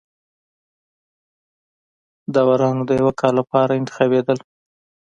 داورانو د یوه کال لپاره انتخابېدل.